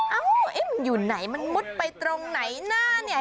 เอ้ามันอยู่ไหนมันมุดไปตรงไหนหน้าเนี่ย